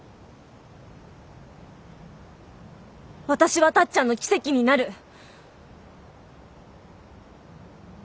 私はタッちゃんの奇跡になる。